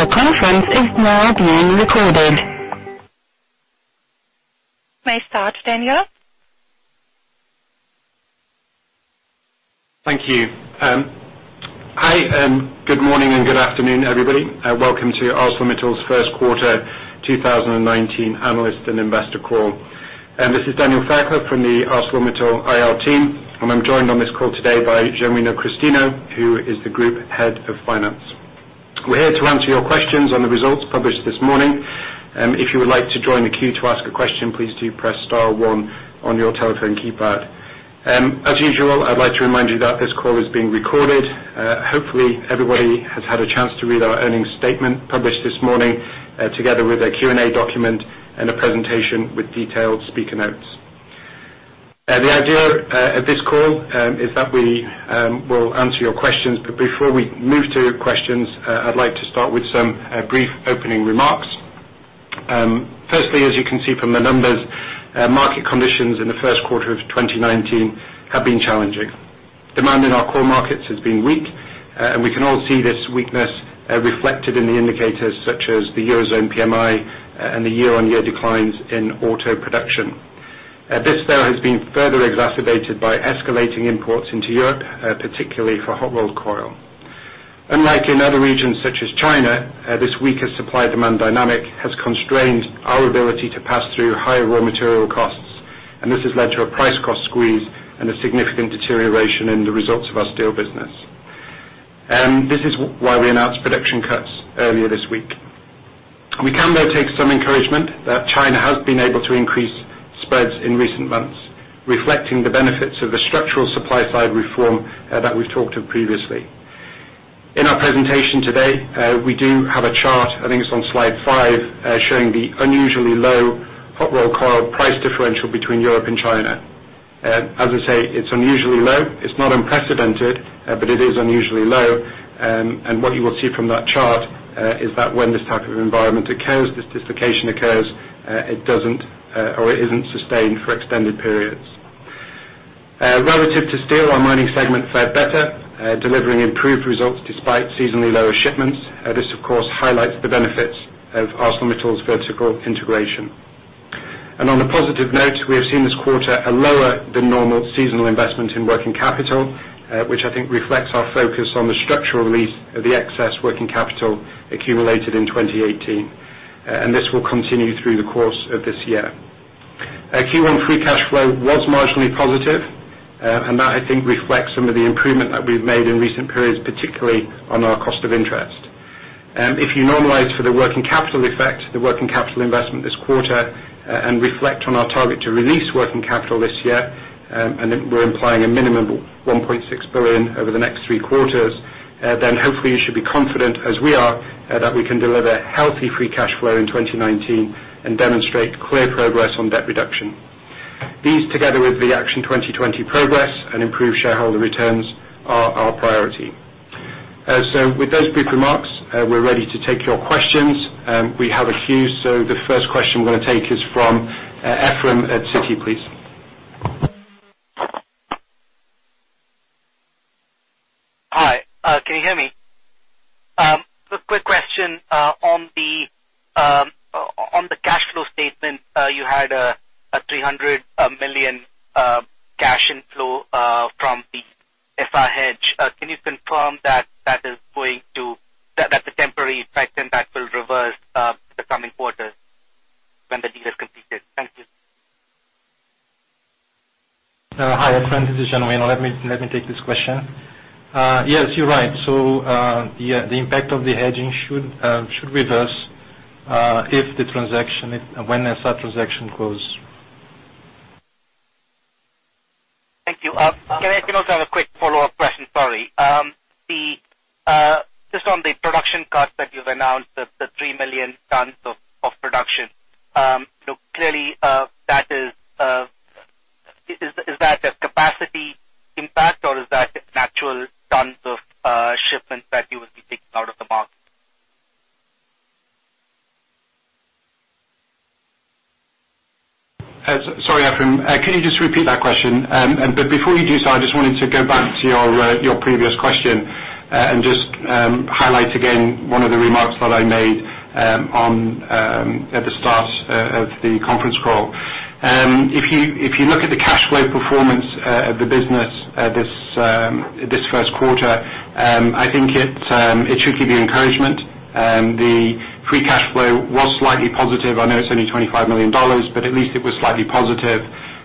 The conference is now being recorded. May start, Daniel. Thank you. Hi, good morning and good afternoon, everybody. Welcome to ArcelorMittal's first quarter 2019 analyst and investor call. This is Daniel Fairclough from the ArcelorMittal IR team, and I'm joined on this call today by Genuino Christino, who is the group head of finance. We're here to answer your questions on the results published this morning. If you would like to join the queue to ask a question, please do press star one on your telephone keypad. As usual, I'd like to remind you that this call is being recorded. Hopefully, everybody has had a chance to read our earnings statement published this morning, together with a Q&A document and a presentation with detailed speaker notes. The idea of this call is that we will answer your questions. Before we move to questions, I'd like to start with some brief opening remarks. Firstly, as you can see from the numbers, market conditions in the first quarter of 2019 have been challenging. Demand in our core markets has been weak, and we can all see this weakness reflected in the indicators such as the Eurozone PMI and the year-on-year declines in auto production. This though has been further exacerbated by escalating imports into Europe, particularly for hot-rolled coil. Unlike in other regions such as China, this weaker supply-demand dynamic has constrained our ability to pass through higher raw material costs, and this has led to a price-cost squeeze and a significant deterioration in the results of our steel business. This is why we announced production cuts earlier this week. We can though take some encouragement that China has been able to increase spreads in recent months, reflecting the benefits of the structural supply-side reform that we've talked of previously. In our presentation today, we do have a chart, I think it's on slide five, showing the unusually low hot-rolled coil price differential between Europe and China. As I say, it's unusually low. It's not unprecedented, but it is unusually low. What you will see from that chart is that when this type of environment occurs, this dislocation occurs, it doesn't or it isn't sustained for extended periods. Relative to steel, our mining segment fared better, delivering improved results despite seasonally lower shipments. This, of course, highlights the benefits of ArcelorMittal's vertical integration. On a positive note, we have seen this quarter a lower than normal seasonal investment in working capital, which I think reflects our focus on the structural release of the excess working capital accumulated in 2018. This will continue through the course of this year. Q1 free cash flow was marginally positive, that, I think, reflects some of the improvement that we've made in recent periods, particularly on our cost of interest. If you normalize for the working capital effect, the working capital investment this quarter, reflect on our target to release working capital this year, we're implying a minimum $1.6 billion over the next three quarters, then hopefully you should be confident as we are that we can deliver healthy free cash flow in 2019 and demonstrate clear progress on debt reduction. These, together with the Action 2020 progress and improved shareholder returns, are our priority. With those brief remarks, we're ready to take your questions. We have a queue, the first question we're going to take is from Ephrem at Citi, please. Hi, can you hear me? A quick question on the cash flow statement. You had a $300 million cash inflow from the FX hedge. Can you confirm that the temporary effect impact will reverse the coming quarters when the deal is completed? Thank you. Hi, Ephrem. This is Genuino. Let me take this question. Yes, you're right. The impact of the hedging should reverse when that transaction close. Thank you. Can I also have a quick follow-up question? Sorry. Just on the production cut that you've announced, the 3 million tons of production. Clearly, is that a capacity impact or is that an actual tons of shipments that you will be taking out of the market? Sorry, Ephrem. Can you just repeat that question? Before you do so, I just wanted to go back to your previous question, and just highlight again one of the remarks that I made at the start of the conference call. If you look at the cash flow performance of the business this first quarter, I think it should give you encouragement. The free cash flow was slightly positive. I know it's only EUR 25 million, but at least it was slightly positive.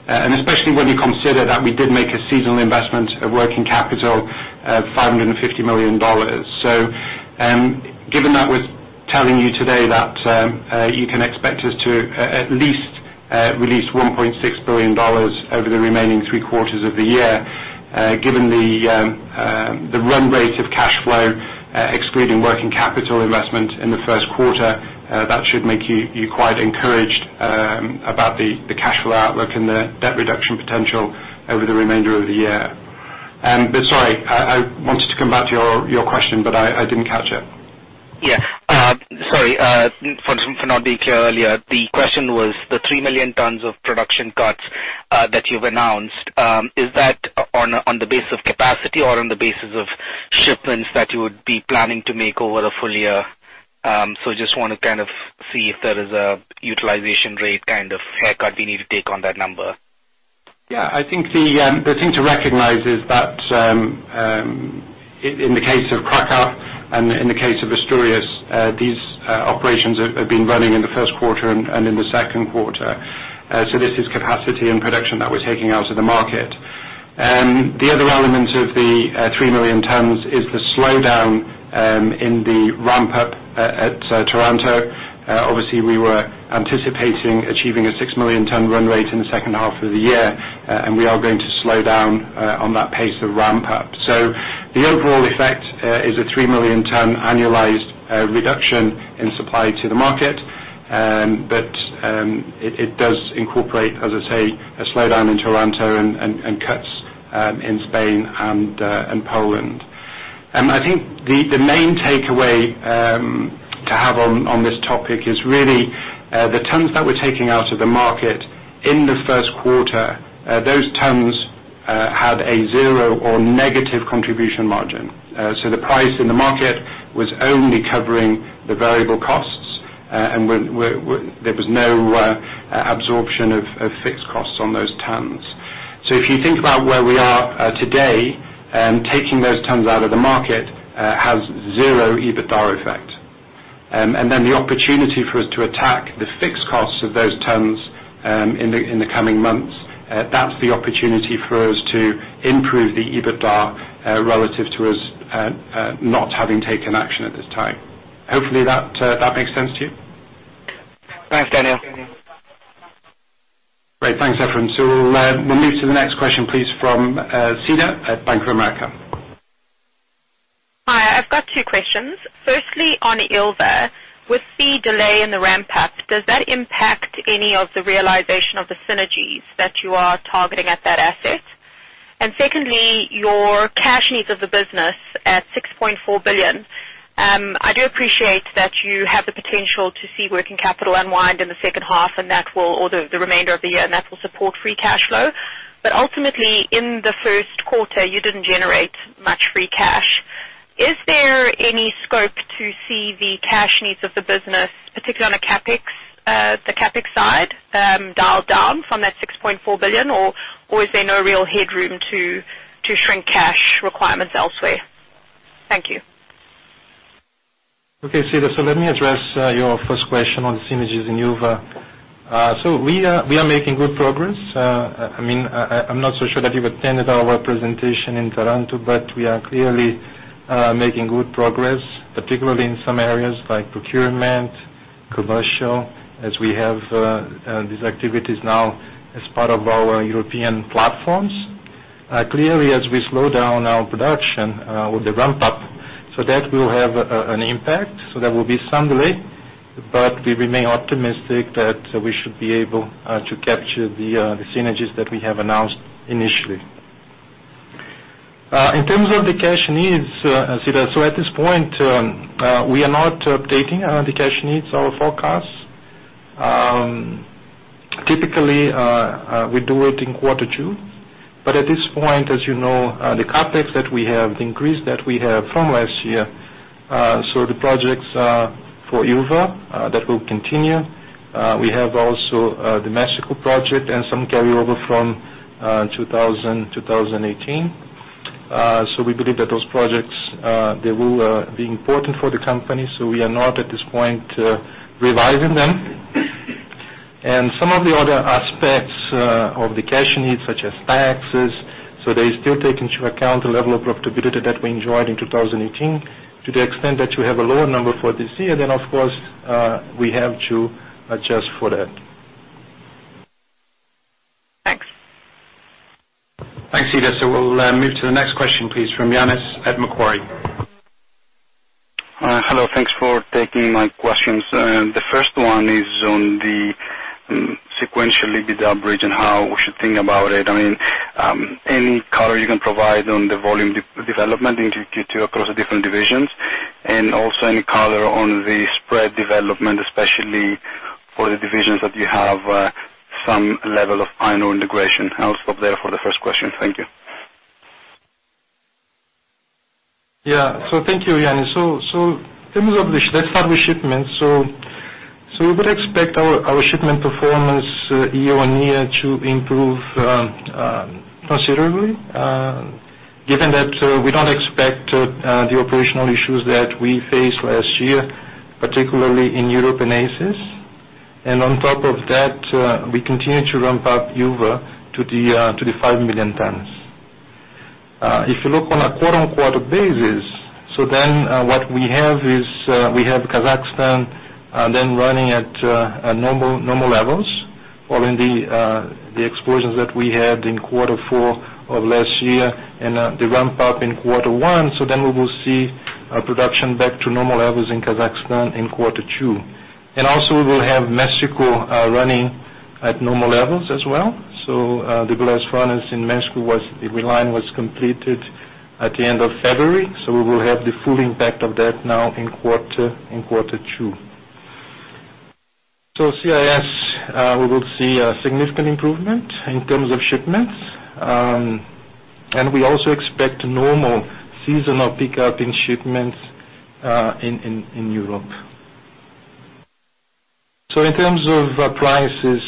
Especially when you consider that we did make a seasonal investment of working capital of EUR 550 million. Given that we're telling you today that you can expect us to at least release EUR 1.6 billion over the remaining 3 quarters of the year, given the run rate of cash flow excluding working capital investment in the first quarter, that should make you quite encouraged about the cash flow outlook and the debt reduction potential over the remainder of the year. Sorry, I wanted to come back to your question, but I didn't catch it. Yeah. Sorry for not being clear earlier. The question was the 3 million tons of production cuts that you've announced, is that on the base of capacity or on the basis of shipments that you would be planning to make over a full year? Just want to see if there is a utilization rate haircut we need to take on that number. Yeah. I think the thing to recognize is that, in the case of Krakow and in the case of Asturias, these operations have been running in the first quarter and in the second quarter. This is capacity and production that we're taking out of the market. The other element of the 3 million tons is the slowdown in the ramp-up at Taranto. Obviously, we were anticipating achieving a 6 million ton run rate in the second half of the year. We are going to slow down on that pace of ramp-up. The overall effect is a 3 million ton annualized reduction in supply to the market. It does incorporate, as I say, a slowdown in Taranto and cuts in Spain and Poland. I think the main takeaway to have on this topic is really the tons that we're taking out of the market in the first quarter, those tons had a zero or negative contribution margin. The price in the market was only covering the variable costs, and there was no absorption of fixed costs on those tons. If you think about where we are today, taking those tons out of the market has zero EBITDA effect. Then the opportunity for us to attack the fixed costs of those tons in the coming months, that's the opportunity for us to improve the EBITDA relative to us not having taken action at this time. Hopefully that makes sense to you. Thanks, Daniel. Great. Thanks, Ephrem. We'll move to the next question, please, from Jason at Bank of America. Hi. I've got two questions. Firstly, on Ilva, with the delay in the ramp-up, does that impact any of the realization of the synergies that you are targeting at that asset? Secondly, your cash needs of the business at 6.4 billion. I do appreciate that you have the potential to see working capital unwind in the second half or the remainder of the year, and that will support free cash flow. Ultimately, in the first quarter, you didn't generate much free cash. Is there any scope to see the cash needs of the business, particularly on the CapEx side, dialed down from that 6.4 billion, or is there no real headroom to shrink cash requirements elsewhere? Thank you. Okay, Jason. Let me address your first question on synergies in Ilva. We are making good progress. I'm not so sure that you've attended our presentation in Toronto, but we are clearly making good progress, particularly in some areas like procurement, commercial, as we have these activities now as part of our European platforms. Clearly, as we slow down our production with the ramp-up, that will have an impact. That will be some delay, but we remain optimistic that we should be able to capture the synergies that we have announced initially. In terms of the cash needs, Jason, at this point, we are not updating the cash needs or forecasts. Typically, we do it in quarter two, but at this point, as you know, the CapEx that we have increased, that we have from last year, the projects for Ilva, that will continue. We have also the Mexico project and some carryover from 2018. We believe that those projects, they will be important for the company, we are not at this point revising them. Some of the other aspects of the cash needs, such as taxes. They still take into account the level of profitability that we enjoyed in 2018. To the extent that you have a lower number for this year, then of course, we have to adjust for that. Thanks. Thanks, Jason. We'll move to the next question, please, from [Ioannis] at Macquarie. Hello. Thanks for taking my questions. The first one is on the sequential EBITDA bridge and how we should think about it. Any color you can provide on the volume development Q2 across the different divisions? Also any color on the spread development, especially for the divisions that you have some level of iron ore integration. I'll stop there for the first question. Thank you. Thank you, Yannis. In terms of, let's start with shipments. We would expect our shipment performance year-on-year to improve considerably, given that we don't expect the operational issues that we faced last year, particularly in Europe and Asia. On top of that, we continue to ramp up Ilva to the 5 million tons. If you look on a quarter-on-quarter basis, what we have is we have Kazakhstan then running at normal levels following the explosions that we had in quarter 4 of last year and the ramp-up in quarter 1. We will see production back to normal levels in Kazakhstan in quarter 2. Also we will have Mexico running at normal levels as well. The blast furnace in Mexico, the reline was completed at the end of February, so we will have the full impact of that now in quarter 2. CIS, we will see a significant improvement in terms of shipments, and we also expect normal seasonal pickup in shipments in Europe. In terms of prices,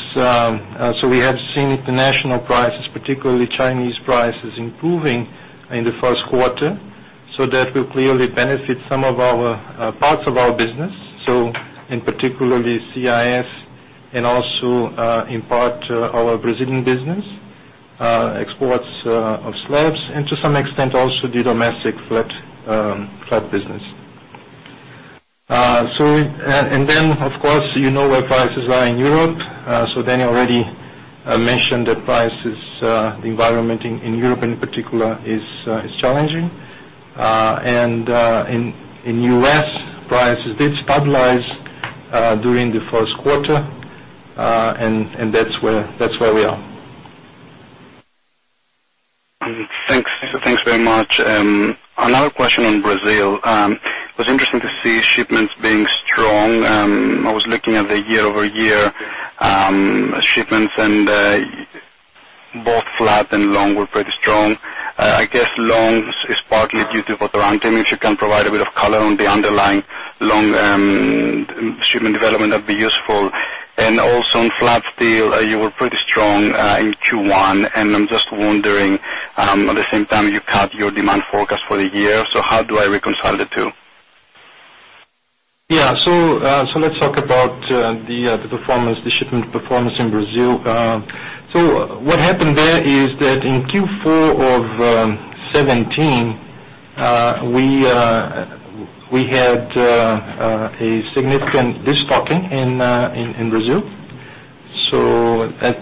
we have seen international prices, particularly Chinese prices, improving in the first quarter. That will clearly benefit some of our parts of our business. In particular the CIS and also in part our Brazilian business, exports of slabs and to some extent also the domestic flat business. Then, of course, you know where prices are in Europe. Danny already mentioned that prices, the environment in Europe in particular is challenging. In U.S., prices did stabilize during the first quarter, and that's where we are. Thanks very much. Another question on Brazil. It was interesting to see shipments being strong. I was looking at the year-over-year shipments, and both flat and long were pretty strong. I guess long is partly due to Votorantim. If you can provide a bit of color on the underlying long shipment development, that'd be useful. Also on flat steel, you were pretty strong in Q1, and I'm just wondering, at the same time, you cut your demand forecast for the year. How do I reconcile the two? Yeah. Let's talk about the shipment performance in Brazil. What happened there is that in Q4 of 2017, we had a significant destocking in Brazil.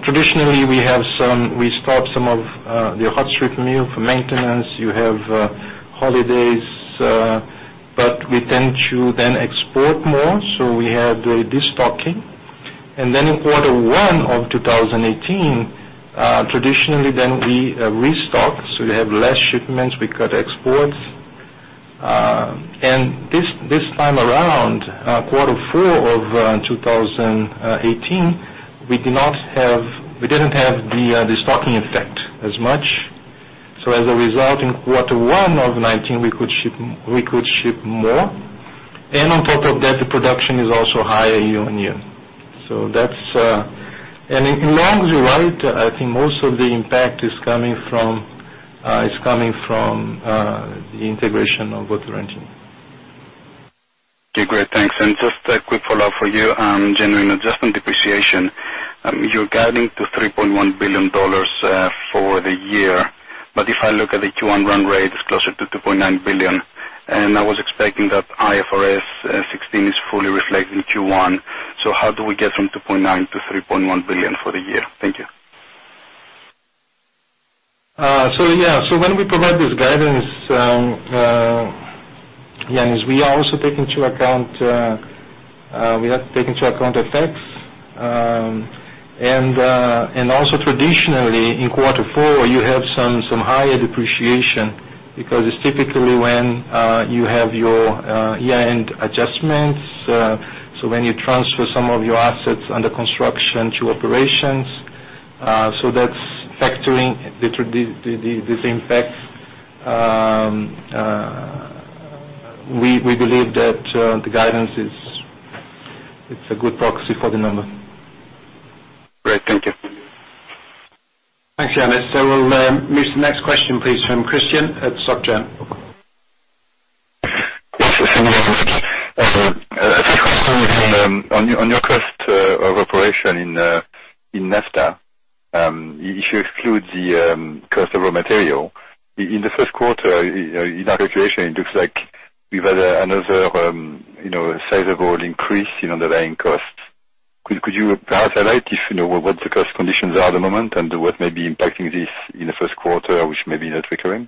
Traditionally, we stop some of the hot strip mill for maintenance. You have holidays. We tend to then export more, so we have the destocking. In quarter one of 2018, traditionally then we restock, so we have less shipments, we cut exports. This time around, quarter four of 2018, we didn't have the destocking effect as much. As a result, in quarter one of 2019 we could ship more. On top of that, the production is also higher year-on-year. In long's you're right, I think most of the impact is coming from the integration of Votorantim. Okay, great. Thanks. Just a quick follow-up for you on January adjustment depreciation. You're guiding to $3.1 billion for the year, but if I look at the Q1 run rate, it's closer to $2.9 billion, and I was expecting that IFRS 16 is fully reflected in Q1. How do we get from $2.9 to $3.1 billion for the year? Thank you. Yeah. When we provide this guidance, Yannis, we have taken into account effects. Also traditionally in quarter four, you have some higher depreciation because it's typically when you have your year-end adjustments. When you transfer some of your assets under construction to operations, so that's factoring these impacts. We believe that the guidance, it's a good proxy for the number. Great. Thank you. Thanks, Yannis. We'll move to the next question, please, from Christian at SocGen. Yes. Thank you. A quick one on your cost of operation in NAFTA. If you exclude the cost of raw material, in the first quarter, in our calculation, it looks like we've had another sizable increase in underlying costs. Could you perhaps highlight what the cost conditions are at the moment and what may be impacting this in the first quarter, which may be not recurring?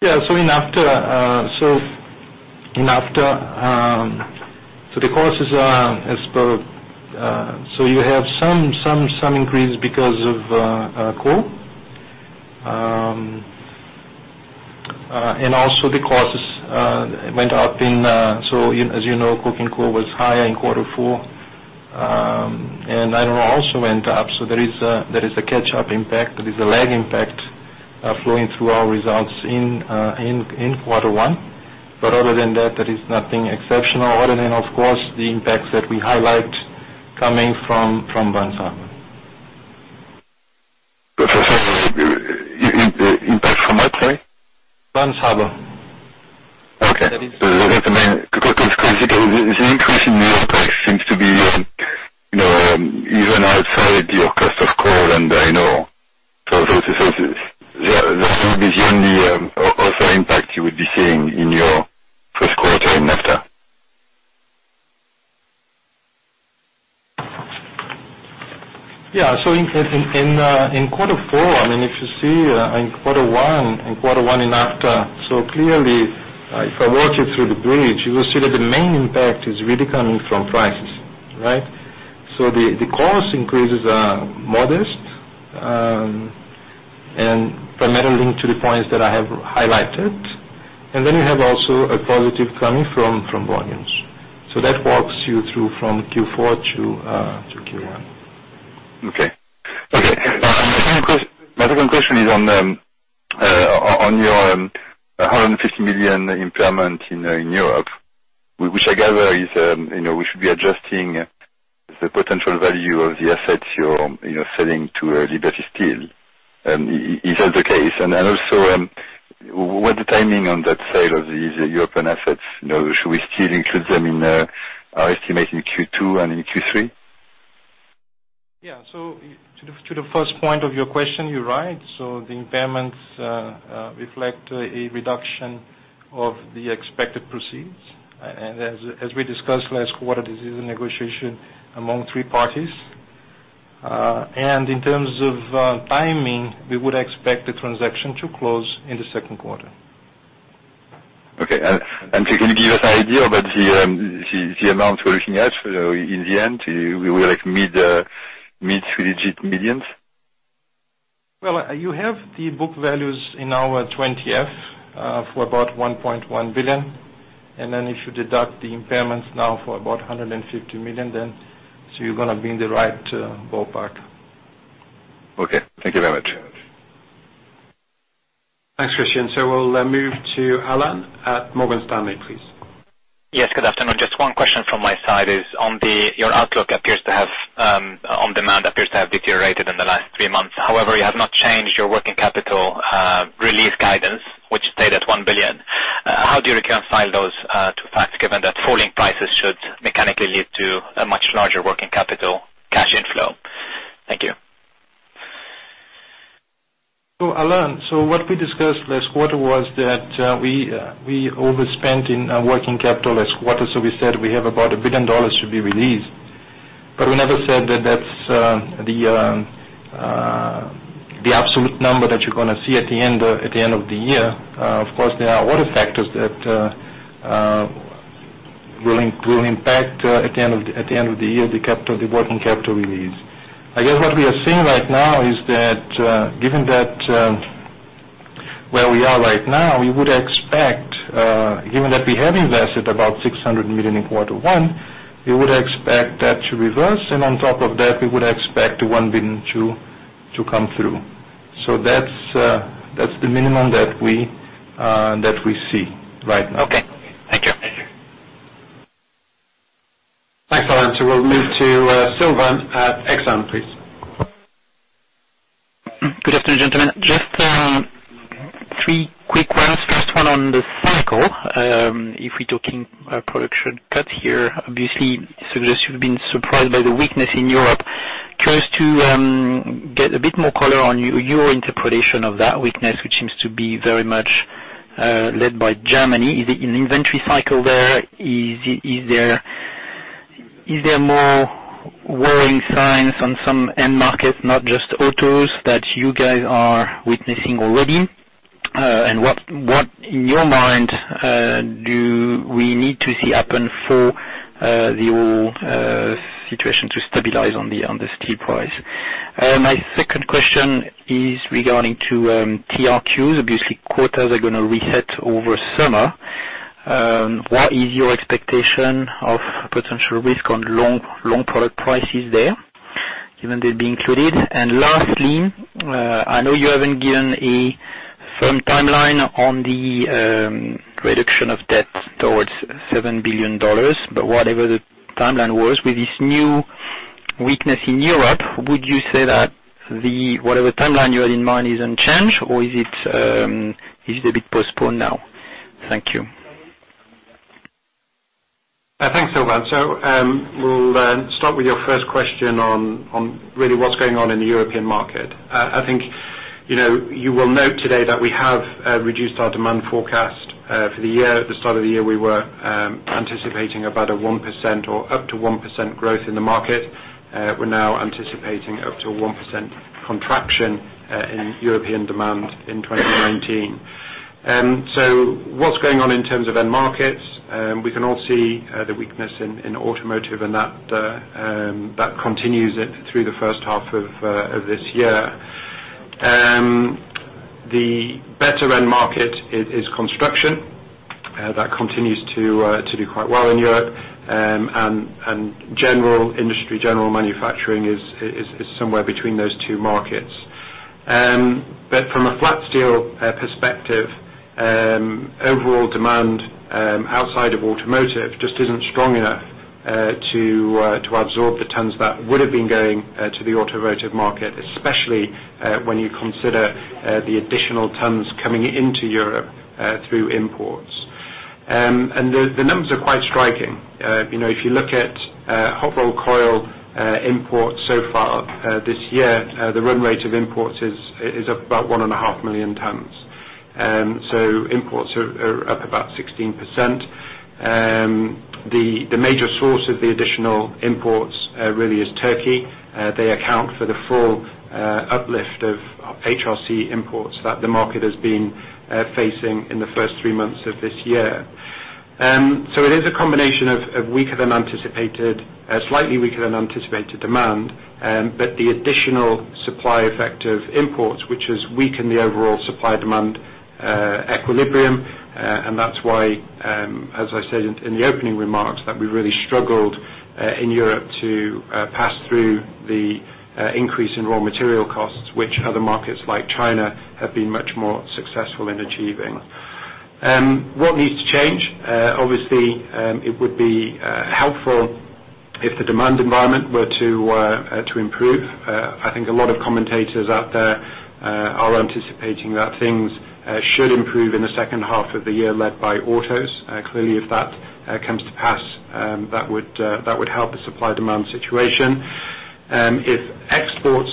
Yeah. In NAFTA the costs, you have some increase because of coal. The costs went up in as you know, coking coal was higher in quarter four. Iron ore also went up. There is a catch-up impact. There is a lag impact flowing through our results in quarter one. Other than that, there is nothing exceptional. Other than, of course, the impacts that we highlight coming from Burns Harbor. Sorry, impact from what, sorry? Burns Harbor. Okay. The increase in your price seems to be even outside your cost of coking coal and iron ore. That would be the only other impact you would be seeing in your first quarter in NAFTA. Yeah. In quarter four, if you see in quarter one and after, clearly if I walk you through the bridge, you will see that the main impact is really coming from prices. Right? The cost increases are modest, primarily linked to the points that I have highlighted. Then you have also a positive coming from volumes. That walks you through from Q4 to Q1. Okay. My second question is on your $150 million impairment in Europe, which I gather we should be adjusting the potential value of the assets you're selling to Liberty Steel. Is that the case? Also, what's the timing on that sale of these European assets? Should we still include them in our estimate in Q2 and in Q3? Yeah. To the first point of your question, you're right. The impairments reflect a reduction of the expected proceeds. As we discussed last quarter, this is a negotiation among three parties. In terms of timing, we would expect the transaction to close in the second quarter. Okay. Can you give us an idea about the amount we're looking at in the end? We will meet $3 million? Well, you have the book values in our 20F for about $1.1 billion. If you deduct the impairments now for about $150 million, you're going to be in the right ballpark. Okay. Thank you very much. Thanks, Christian. We'll move to Alain at Morgan Stanley, please. Yes, good afternoon. Just one question from my side is on your outlook on demand appears to have deteriorated in the last three months. However, you have not changed your working capital release guidance, which stayed at 1 billion. How do you reconcile those two facts, given that falling prices should mechanically lead to a much larger working capital cash inflow? Thank you. Alain, what we discussed last quarter was that we overspent in working capital last quarter. We said we have about EUR 1 billion to be released. We never said that that's the absolute number that you're going to see at the end of the year. Of course, there are other factors that will impact at the end of the year the working capital release. I guess what we are seeing right now is that given that where we are right now, we would expect given that we have invested about 600 million in quarter one, we would expect that to reverse and on top of that, we would expect 1 billion to come through. That's the minimum that we see right now. Okay. Thank you. Thanks, Alain. We'll move to Sylvain at Exane please. Good afternoon, gentlemen. Just three quick ones. First one on the cycle. If we're talking production cuts here, obviously suggest you've been surprised by the weakness in Europe. Trying to get a bit more color on your interpretation of that weakness, which seems to be very much led by Germany. Is it an inventory cycle there? Is there more worrying signs on some end markets, not just autos that you guys are witnessing already? What in your mind do we need to see happen for the whole situation to stabilize on the steel price? My second question is regarding to TRQs. Quotas are going to reset over summer. What is your expectation of potential risk on long product prices there, given they'll be included? Lastly, I know you haven't given a firm timeline on the reduction of debt towards $7 billion, whatever the timeline was with this new weakness in Europe, would you say that whatever timeline you had in mind is unchanged, or is it a bit postponed now? Thank you. Thanks, Sylvain. We'll start with your first question on really what's going on in the European market. I think you will note today that we have reduced our demand forecast for the year. At the start of the year, we were anticipating about a 1% or up to 1% growth in the market. We're now anticipating up to a 1% contraction in European demand in 2019. What's going on in terms of end markets? We can all see the weakness in automotive and that continues through the first half of this year. The better end market is construction. That continues to do quite well in Europe. General industry, general manufacturing is somewhere between those two markets. From a flat steel perspective, overall demand outside of automotive just isn't strong enough to absorb the tons that would have been going to the automotive market, especially when you consider the additional tons coming into Europe through imports. The numbers are quite striking. If you look at hot-rolled coil imports so far this year, the run rate of imports is about 1.5 million tons. Imports are up about 16%. The major source of the additional imports really is Turkey. They account for the full uplift of HRC imports that the market has been facing in the first three months of this year. It is a combination of slightly weaker than anticipated demand, but the additional supply effect of imports, which has weakened the overall supply-demand equilibrium, and that's why, as I said in the opening remarks, that we really struggled in Europe to pass through the increase in raw material costs, which other markets like China have been much more successful in achieving. What needs to change? Obviously, it would be helpful if the demand environment were to improve. I think a lot of commentators out there are anticipating that things should improve in the second half of the year, led by autos. Clearly, if that comes to pass, that would help the supply-demand situation. If exports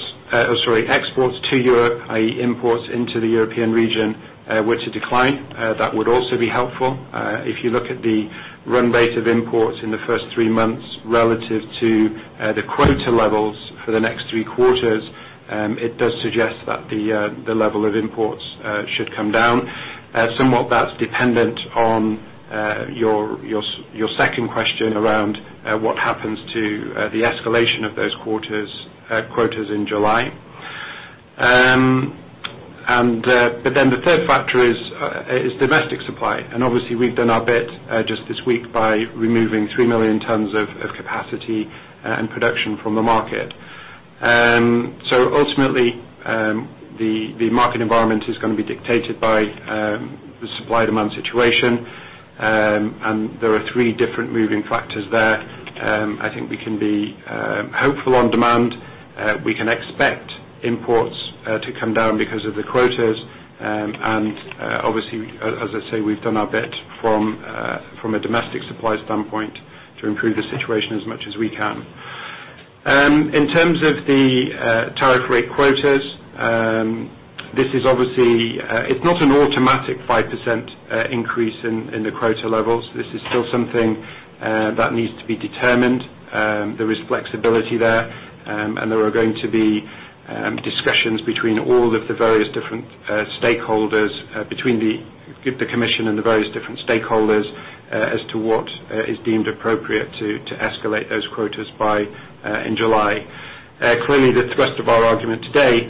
to Europe, i.e., imports into the European region, were to decline, that would also be helpful. If you look at the run rate of imports in the first three months relative to the quota levels for the next three quarters, it does suggest that the level of imports should come down. Somewhat, that's dependent on your second question around what happens to the escalation of those quotas in July. The third factor is domestic supply. Obviously we've done our bit just this week by removing 3 million tons of capacity and production from the market. Ultimately, the market environment is going to be dictated by the supply-demand situation. There are three different moving factors there. I think we can be hopeful on demand. We can expect imports to come down because of the quotas. Obviously, as I say, we've done our bit from a domestic supply standpoint to improve the situation as much as we can. In terms of the Tariff-rate quotas, it's not an automatic 5% increase in the quota levels. This is still something that needs to be determined. There is flexibility there, and there are going to be discussions between all of the various different stakeholders, between the commission and the various different stakeholders as to what is deemed appropriate to escalate those quotas in July. Clearly, the thrust of our argument today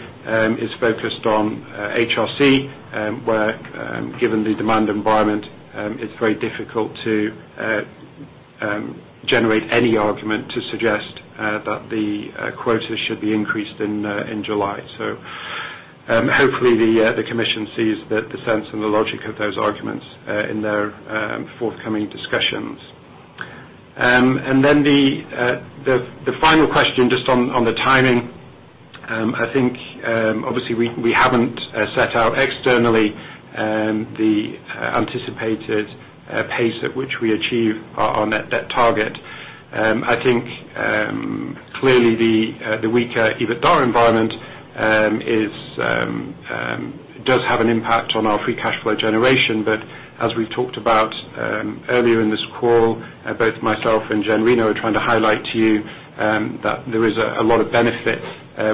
is focused on HRC, where, given the demand environment, it's very difficult to generate any argument to suggest that the quotas should be increased in July. Hopefully the commission sees the sense and the logic of those arguments in their forthcoming discussions. The final question just on the timing. I think, obviously we haven't set out externally the anticipated pace at which we achieve our net debt target. I think, clearly the weaker EBITDA environment does have an impact on our free cash flow generation. As we talked about earlier in this call, both myself and Genuino are trying to highlight to you that there is a lot of benefit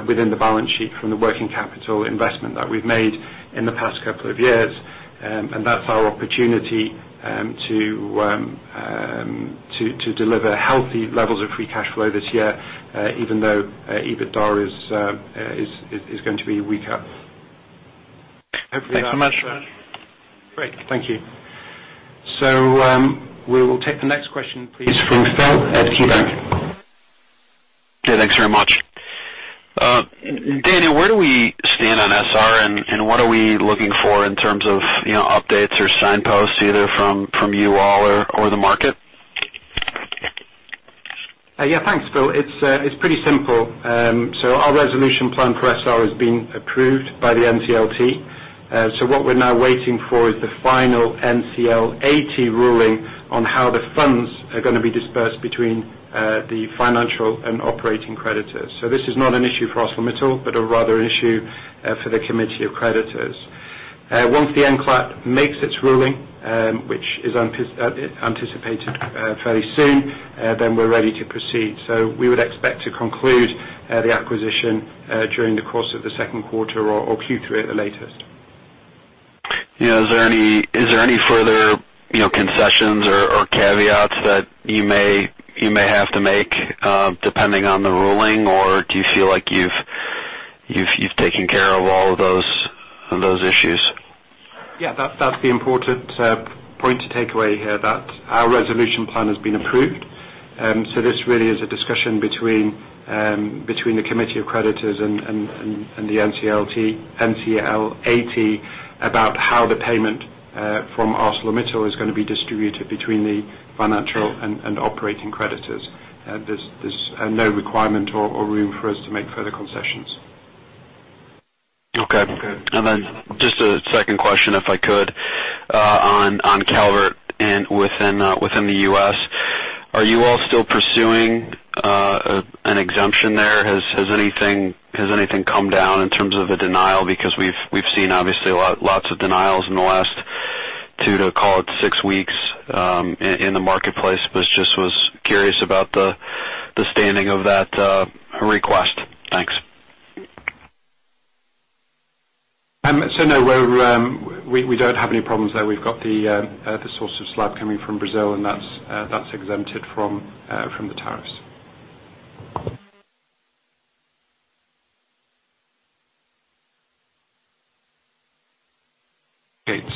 within the balance sheet from the working capital investment that we've made in the past couple of years. That's our opportunity to deliver healthy levels of free cash flow this year, even though EBITDA is going to be weaker. Thanks so much. Great. Thank you. We will take the next question please from Phil at KeyBanc. Yeah, thanks very much. Danny, where do we stand on Essar and what are we looking for in terms of updates or signposts, either from you all or the market? Yeah. Thanks, Phil. It's pretty simple. Our resolution plan for Essar has been approved by the NCLT. What we're now waiting for is the final NCLAT ruling on how the funds are going to be dispersed between the financial and operating creditors. This is not an issue for ArcelorMittal, but rather issue for the committee of creditors. Once the NCLAT makes its ruling, which is anticipated fairly soon, we're ready to proceed. We would expect to conclude the acquisition during the course of the second quarter or Q3 at the latest. Is there any further concessions or caveats that you may have to make, depending on the ruling? Or do you feel like you've taken care of all of those issues? Yeah, that's the important point to take away here, that our resolution plan has been approved. This really is a discussion between the committee of creditors and the NCLAT about how the payment from ArcelorMittal is going to be distributed between the financial and operating creditors. There's no requirement or room for us to make further concessions. Okay. Just a second question, if I could, on Calvert within the U.S. Are you all still pursuing an exemption there? Has anything come down in terms of a denial? Because we've seen obviously lots of denials in the last two to call it six weeks in the marketplace. Was just curious about the standing of that request. Thanks. No, we don't have any problems there. We've got the source of slab coming from Brazil, and that's exempted from the tariffs.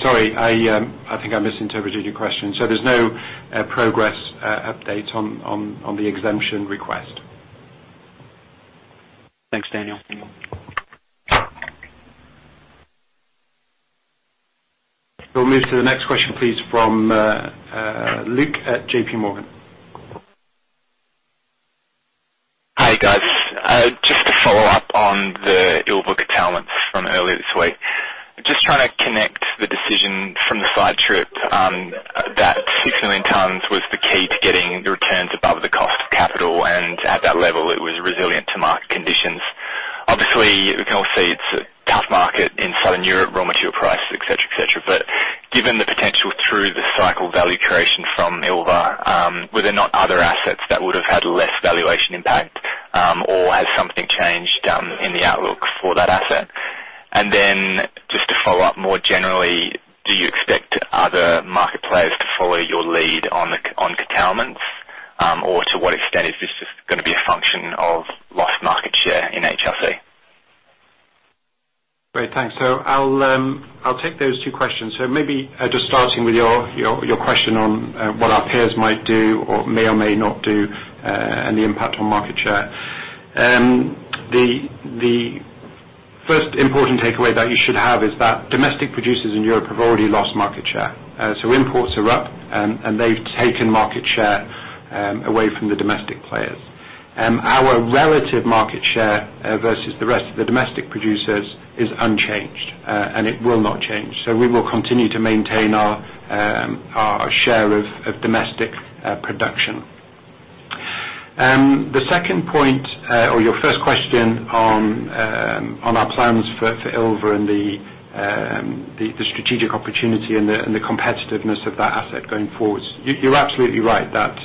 Okay, sorry. I think I misinterpreted your question. There's no progress update on the exemption request. Thanks, Daniel. We'll move to the next question, please, from Luke at JPMorgan. Hi, guys. Just to follow up on the Ilva curtailments from earlier this week. Just trying to connect the decision from the site trip that 6 million tons was the key to getting the returns above the cost of capital, and at that level, it was resilient to market conditions. Obviously, we can all see it's a tough market in Southern Europe, raw material prices, et cetera. Given the potential through the cycle value creation from Ilva, were there not other assets that would have had less valuation impact? Has something changed in the outlook for that asset? Just to follow up more generally, do you expect other market players to follow your lead on curtailments? To what extent is this just going to be a function of lost market share in HRC? Great, thanks. I'll take those two questions. Maybe just starting with your question on what our peers might do or may or may not do, and the impact on market share. The first important takeaway that you should have is that domestic producers in Europe have already lost market share. Imports are up, and they've taken market share away from the domestic players. Our relative market share versus the rest of the domestic producers is unchanged, and it will not change. We will continue to maintain our share of domestic production. The second point, or your first question on our plans for Ilva and the strategic opportunity and the competitiveness of that asset going forward. You're absolutely right that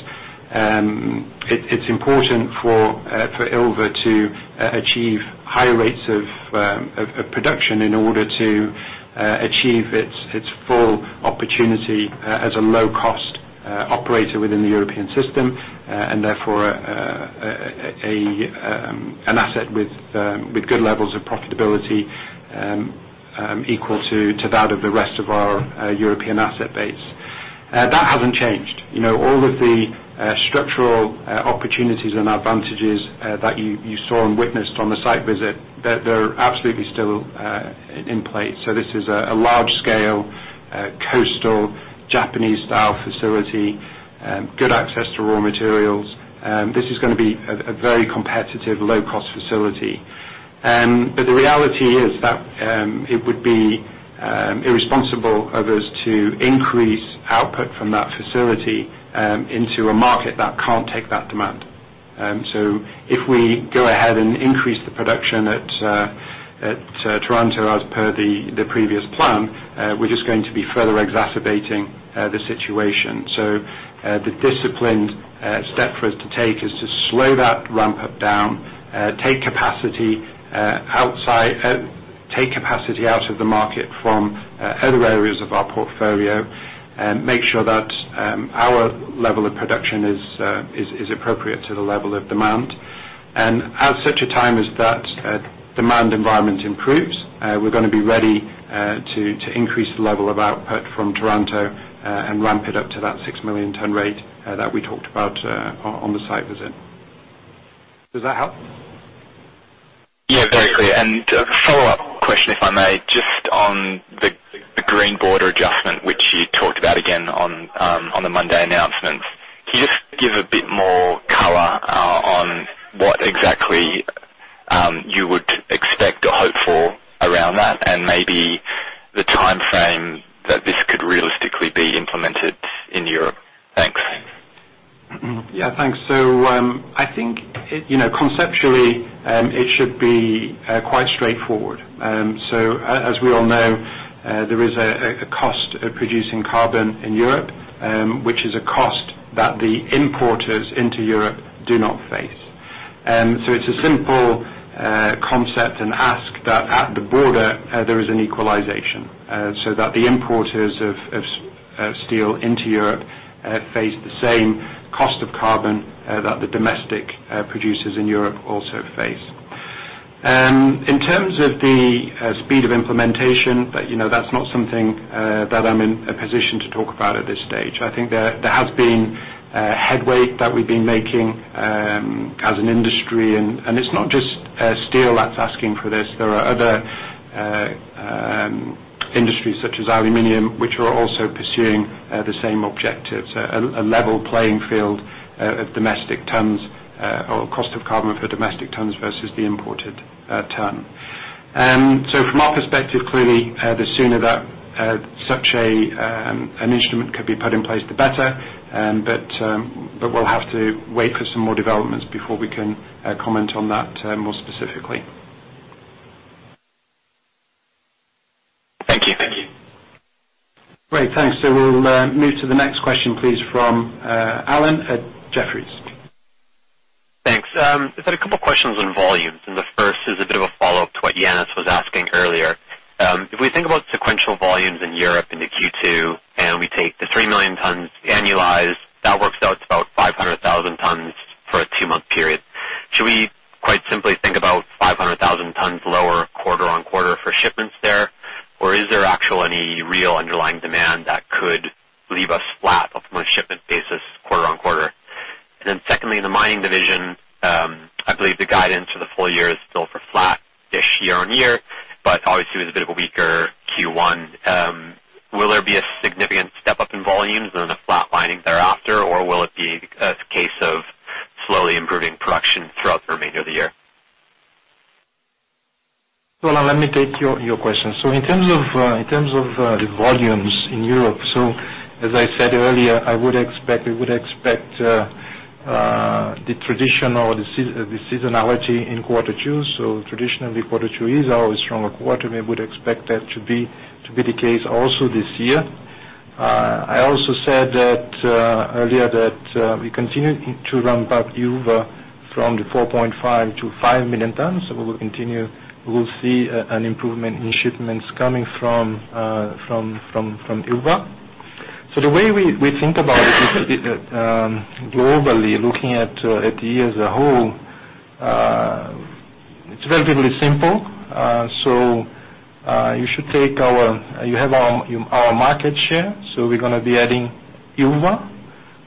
it's important for Ilva to achieve high rates of production in order to achieve its full opportunity as a low-cost operator within the European system, and therefore, an asset with good levels of profitability equal to that of the rest of our European asset base. That hasn't changed. All of the structural opportunities and advantages that you saw and witnessed on the site visit, they're absolutely still in place. This is a large-scale, coastal, Japanese-style facility. Good access to raw materials. This is going to be a very competitive low-cost facility. The reality is that it would be irresponsible of us to increase output from that facility into a market that can't take that demand. If we go ahead and increase the production at Taranto as per the previous plan, we're just going to be further exacerbating the situation. The disciplined step for us to take is to slow that ramp-up down, take capacity out of the market from other areas of our portfolio, make sure that our level of production is appropriate to the level of demand. At such a time as that demand environment improves, we're going to be ready to increase the level of output from Taranto and ramp it up to that 6 million tonne rate that we talked about on the site visit. Does that help? Yeah, very clear. A follow-up question, if I may, just on the carbon border adjustment, which you talked about again on the Monday announcements. Can you just give a bit more color on what exactly you would expect or hope for around that, and maybe the timeframe that this could realistically be implemented in Europe? Thanks. Yeah, thanks. I think conceptually, it should be quite straightforward. As we all know, there is a cost of producing carbon in Europe, which is a cost that the importers into Europe do not face. It's a simple concept and ask that at the border, there is an equalization so that the importers of steel into Europe face the same cost of carbon that the domestic producers in Europe also face. In terms of the speed of implementation, that's not something that I'm in a position to talk about at this stage. I think there has been headway that we've been making as an industry, and it's not just steel that's asking for this. There are other industries such as aluminum, which are also pursuing the same objectives, a level playing field of domestic tonnes or cost of carbon per domestic tonnes versus the imported tonne. From our perspective, clearly, the sooner that such an instrument could be put in place, the better. We'll have to wait for some more developments before we can comment on that more specifically. Thank you. Great, thanks. We'll move to the next question, please, from Alain at Jefferies. Thanks. I just had a couple questions on volumes, the first is a bit of a follow-up to what Yannis was asking earlier. If we think about sequential volumes in Europe into Q2, we take the 3 million tons annualized, that works out to about 500,000 tons for a two-month period. Should Let me take your question. In terms of the volumes in Europe, as I said earlier, I would expect the traditional seasonality in quarter two. Traditionally, quarter two is our stronger quarter. We would expect that to be the case also this year. I also said earlier that we continue to ramp up Ilva from the 4.5 million to 5 million tons. We will continue. We'll see an improvement in shipments coming from Ilva. The way we think about it is globally, looking at the year as a whole, it's relatively simple. You have our market share, we're going to be adding Ilva.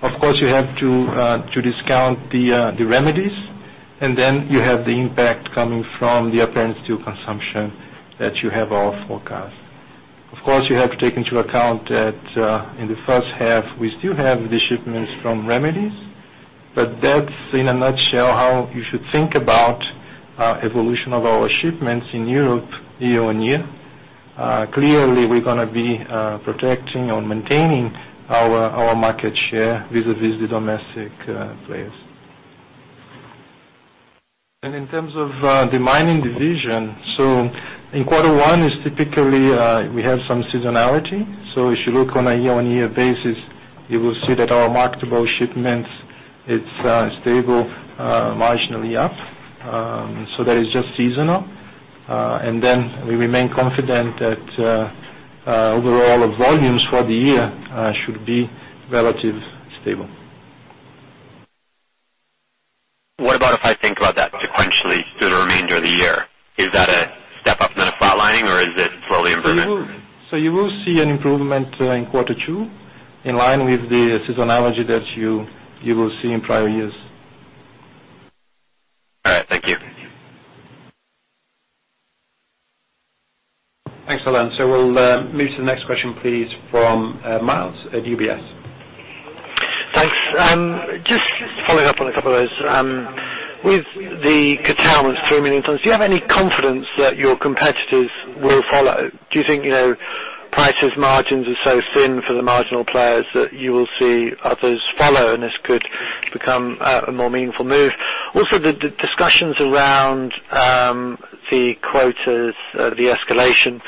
Of course, you have to discount the remedies, and then you have the impact coming from the appearance to consumption that you have all forecast. Of course, you have to take into account that in the first half, we still have the shipments from remedies, that's in a nutshell how you should think about evolution of our shipments in Europe year-on-year. Clearly, we're going to be protecting or maintaining our market share vis-a-vis the domestic players. In terms of the mining division, in quarter one is typically we have some seasonality. If you look on a year-on-year basis, you will see that our marketable shipments, it's stable, marginally up. That is just seasonal. We remain confident that overall volumes for the year should be relatively stable. What about if I think about that sequentially through the remainder of the year? Is that a step up, then a flat lining, or is it slowly improvement? You will see an improvement in quarter 2 in line with the seasonality that you will see in prior years. All right. Thank you. Thanks, Alain. We'll move to the next question, please, from Myles at UBS. Thanks. Just following up on a couple of those. With the cut-outs, 3 million tons, do you have any confidence that your competitors will follow? Do you think prices margins are so thin for the marginal players that you will see others follow, and this could become a more meaningful move? The discussions around the quotas, the escalation.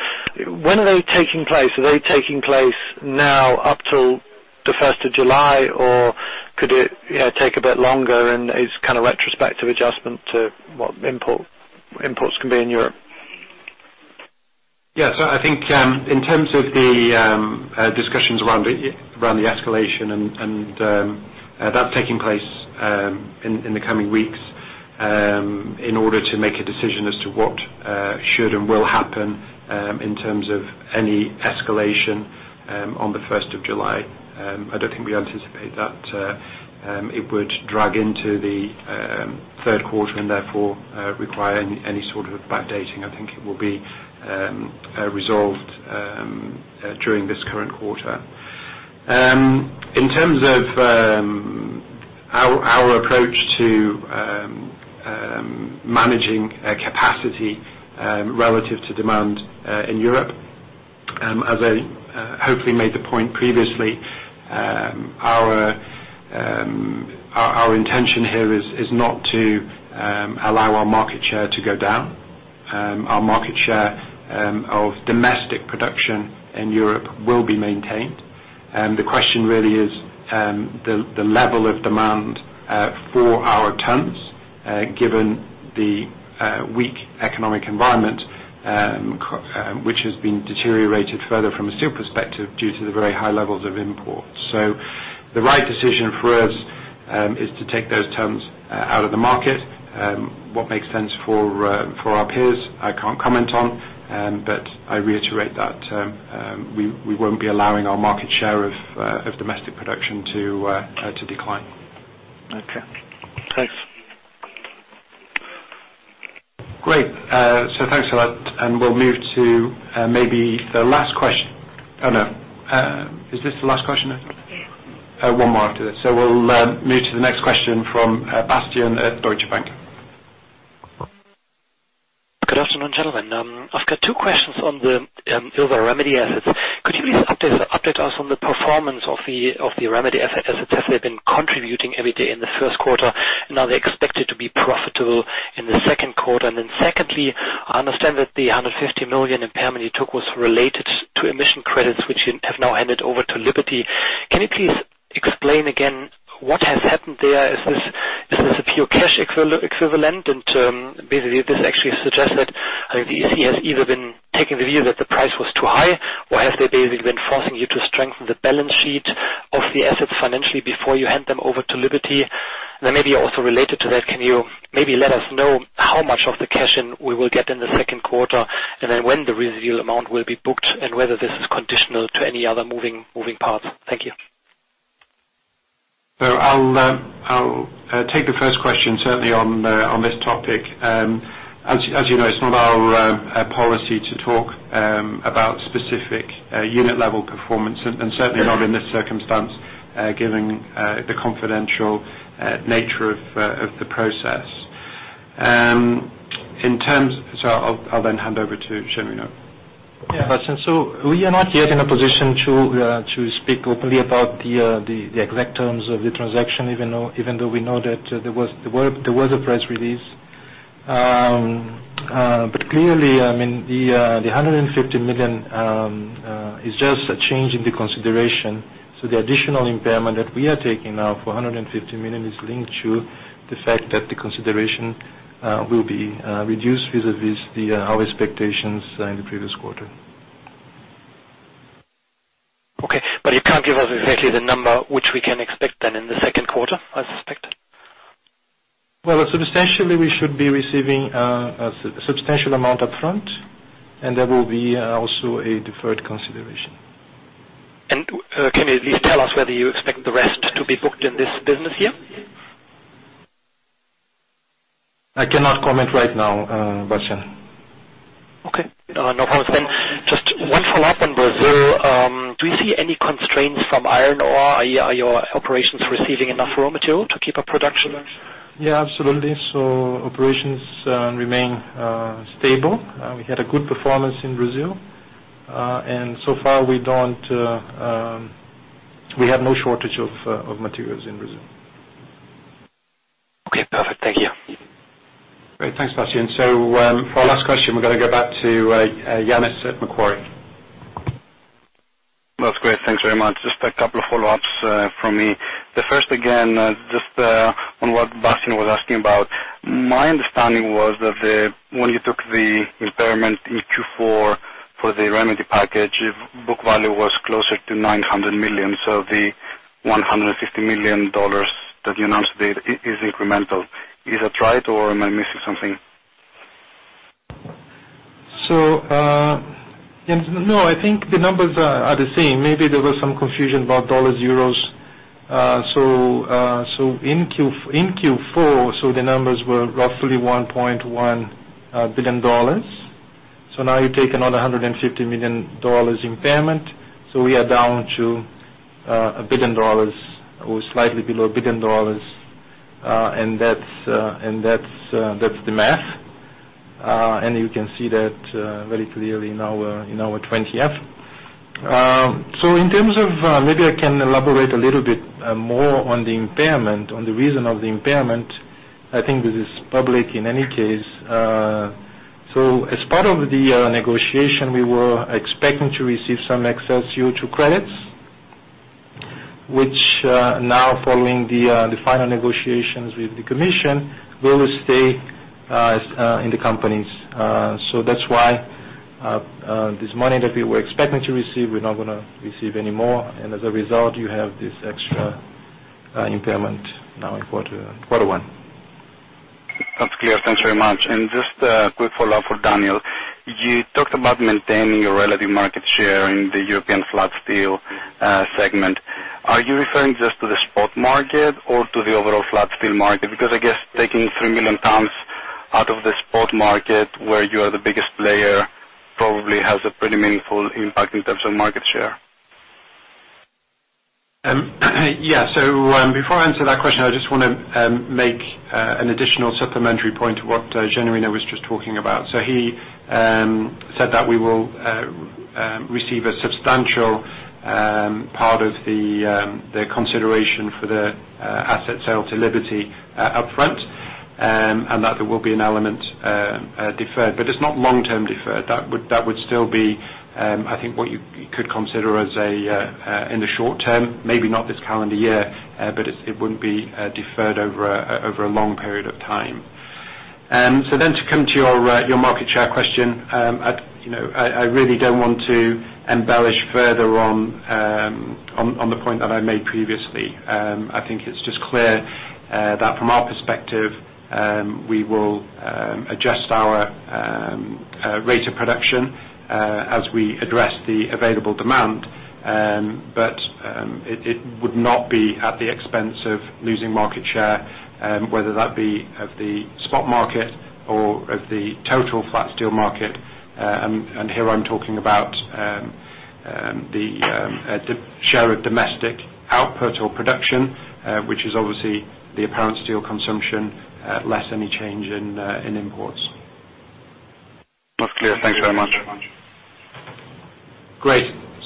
When are they taking place? Are they taking place now up till the first of July, or could it take a bit longer and is kind of retrospective adjustment to what imports can be in Europe? Yes. I think in terms of the discussions around the escalation that is taking place in the coming weeks in order to make a decision as to what should and will happen in terms of any escalation on the first of July. I do not think we anticipate that it would drag into the third quarter and therefore require any sort of backdating. I think it will be resolved during this current quarter. In terms of our approach to managing capacity relative to demand in Europe, as I hopefully made the point previously, our intention here is not to allow our market share to go down. Our market share of domestic production in Europe will be maintained. The question really is the level of demand for our tons, given the weak economic environment, which has been deteriorated further from a steel perspective due to the very high levels of imports. The right decision for us is to take those tons out of the market. What makes sense for our peers, I cannot comment on, but I reiterate that we will not be allowing our market share of domestic production to decline. Okay. Thanks. Great. Thanks for that, and we will move to maybe the last question. Oh, no. Is this the last question? One more after this. We will move to the next question from Bastian at Deutsche Bank. Good afternoon, gentlemen. I've got two questions on the remedy assets. Could you please update us on the performance of the remedy assets? Have they been contributing EBITDA in the first quarter? They're expected to be profitable in the second quarter. Secondly, I understand that the $150 million impairment you took was related to emission credits, which you have now handed over to Liberty Steel. Can you please explain again what has happened there? Is this a pure cash equivalent? Basically, this actually suggests that he has either been taking the view that the price was too high, or have they basically been forcing you to strengthen the balance sheet of the assets financially before you hand them over to Liberty Steel? Maybe also related to that, can you maybe let us know how much of the cash we will get in the second quarter? When the residual amount will be booked and whether this is conditional to any other moving parts? Thank you. I'll take the first question certainly on this topic. As you know, it's not our policy to talk about specific unit-level performance, and certainly not in this circumstance, given the confidential nature of the process. I'll then hand over to Genuino. Yeah. Bastian. We are not yet in a position to speak openly about the exact terms of the transaction, even though we know that there was a press release. But clearly, the $150 million is just a change in the consideration. The additional impairment that we are taking now for $150 million is linked to the fact that the consideration will be reduced vis-a-vis our expectations in the previous quarter. Okay. You can't give us exactly the number which we can expect then in the second quarter, I suspect. Essentially we should be receiving a substantial amount up front, and there will be also a deferred consideration. Can you at least tell us whether you expect the rest to be booked in this business here? I cannot comment right now, Bastian. Okay. No problem. Just one follow-up on Brazil. Do you see any constraints from iron ore? Are your operations receiving enough raw material to keep up production? Yeah, absolutely. Operations remain stable. We had a good performance in Brazil. So far, we have no shortage of materials in Brazil. Okay, perfect. Thank you. Great. Thanks, Bastian. For our last question, we're going to go back to Yannis at Macquarie. That's great. Thanks very much. Just a couple of follow-ups from me. The first, again, just on what Bastian was asking about. My understanding was that when you took the impairment in Q4 for the remedy package, book value was closer to $900 million. So the $150 million that you announced today is incremental. Is that right or am I missing something? No, I think the numbers are the same. Maybe there was some confusion about dollars, euros. In Q4, the numbers were roughly $1.1 billion. Now you take another $150 million impairment. We are down to $1 billion or slightly below $1 billion. That's the math. You can see that very clearly in our 20-F. In terms of-- maybe I can elaborate a little bit more on the impairment, on the reason of the impairment. I think this is public in any case. As part of the negotiation, we were expecting to receive some excess CO2 credits, which now following the final negotiations with the commission, will stay in the companies. That's why this money that we were expecting to receive, we're not going to receive anymore. As a result, you have this extra impairment now in quarter one. That's clear. Thanks very much. Just a quick follow-up for Daniel. You talked about maintaining your relative market share in the European flat steel segment. Are you referring just to the spot market or to the overall flat steel market? Because I guess taking 3 million tons out of the spot market where you are the biggest player probably has a pretty meaningful impact in terms of market share. Yeah. Before I answer that question, I just want to make an additional supplementary point to what Genuino was just talking about. He said that we will receive a substantial part of the consideration for the asset sale to Liberty up front, and that there will be an element deferred. It's not long-term deferred. That would still be, I think, what you could consider as in the short term. Maybe not this calendar year, but it wouldn't be deferred over a long period of time. To come to your market share question, I really don't want to embellish further on the point that I made previously. I think it's just clear that from our perspective, we will adjust our rate of production as we address the available demand. It would not be at the expense of losing market share, whether that be of the spot market or of the total flat steel market. Here I'm talking about the share of domestic output or production, which is obviously the apparent steel consumption less any change in imports. That's clear. Thanks very much. Great.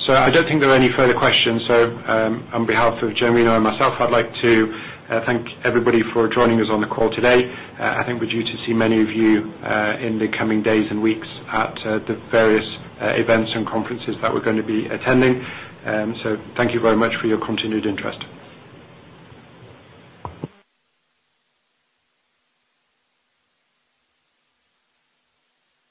I don't think there are any further questions. On behalf of Genuino and myself, I'd like to thank everybody for joining us on the call today. I think we're due to see many of you in the coming days and weeks at the various events and conferences that we're going to be attending. Thank you very much for your continued interest.